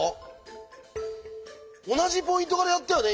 同じポイントからやったよね